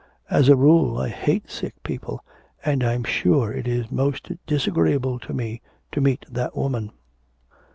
As a rule I hate sick people, and I'm sure it is most disagreeable to me to meet that woman.'